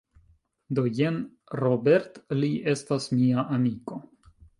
Do jen Robert, li estas mia amiko